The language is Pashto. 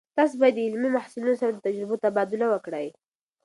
تاسو باید د علمي محصلینو سره د تجربو تبادله وکړئ.